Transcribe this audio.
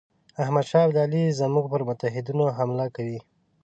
احمدشاه ابدالي زموږ پر متحدینو حمله کوي.